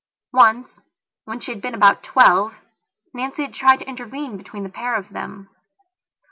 Once, when she had been about twelve, Nancy had tried to intervene between the pair of them.